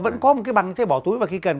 vẫn có một cái bằng thế bỏ túi mà khi cần